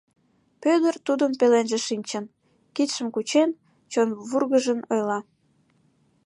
Пӧдыр тудын пеленже шинчын, кидшым кучен, чон вургыжын ойла: